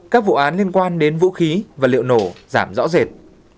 các vụ án liên quan đến vũ khí và liệu nổ giảm rõ rệt